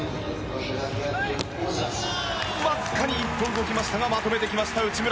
わずかに１歩動きましたがまとめてきました、内村。